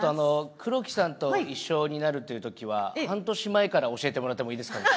黒木さんと一緒になるというときは、半年前から教えてもらってもいいですかね。